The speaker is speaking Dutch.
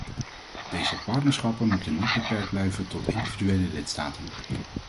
Deze partnerschappen moeten niet beperkt blijven tot individuele lidstaten.